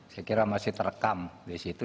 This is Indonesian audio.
saya kira masih terekam di situ